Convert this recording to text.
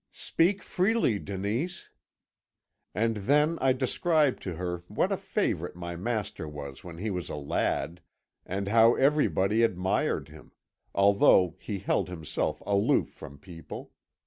"'Speak freely, Denise!' "And then I described to her what a favourite my master was when he was a lad, and how everybody admired him, although he held himself aloof from people.